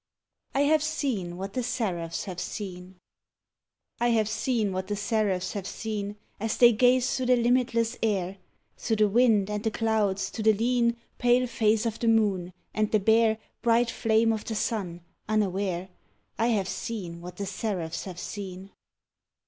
I HAVE SEEN WHAT THE SERAPHS HAVE SEEN I have seen what the seraphs have seen As they gaze thro' the limitless air Thro' the wind and the clouds to the lean Pale face of the moon, and the bare Bright flame of the sun, unaware, I have seen what the seraphs have seen!